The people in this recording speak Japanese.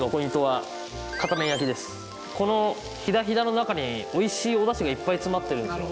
このヒダヒダの中に美味しいおだしがいっぱい詰まってるんですよ。